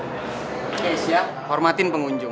keisha hormatin pengunjung